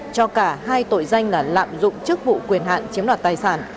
cho cả hai tội danh là lạm dụng chức vụ quyền hạn chiếm đoạt tài sản